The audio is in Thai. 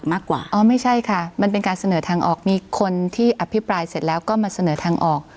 มากกว่าอ๋อไม่ใช่ค่ะมันเป็นการเสนอทางออกมีคนที่อภิปรายเสร็จแล้วก็มาเสนอทางออก